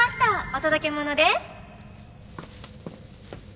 お届け物です。